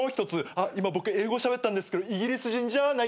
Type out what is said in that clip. あっ今僕英語しゃべったんですけどイギリス人じゃないです。